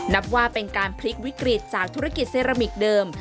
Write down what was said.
นับว่าเป็นการพลิกวิกฤตจากธุรกิจเซรามิกเดิม